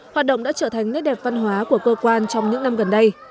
hoạt động đã trở thành nét đẹp văn hóa của cơ quan trong những năm gần đây